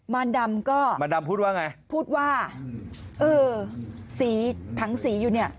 มารดำก็มารดำพูดว่าไงพูดว่าเออสีถังสีอยู่เนี่ย